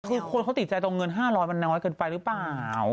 คือคนเขาติดใจตรงเงิน๕๐๐มันน้อยเกินไปหรือเปล่า